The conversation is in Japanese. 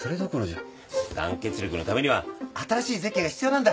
団結力のためには新しいゼッケンが必要なんだ。